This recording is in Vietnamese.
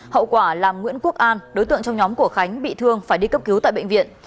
hậu quả làm nguyễn quốc an đối tượng trong nhóm của khánh bị thương phải đi cấp cứu tại bệnh viện